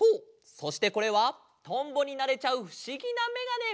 そしてこれはとんぼになれちゃうふしぎなめがね！